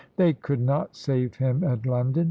They could not save him at London.